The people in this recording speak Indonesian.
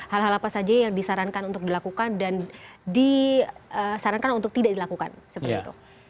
hal hal apa saja yang disarankan untuk dilakukan dan disarankan untuk tidak dilakukan seperti itu